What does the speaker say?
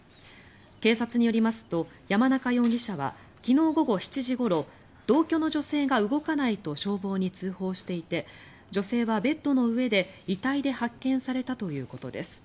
警察によりますと山中容疑者は昨日午後７時ごろ同居の女性が動かないと消防に通報していて女性はベッドの上で、遺体で発見されたということです。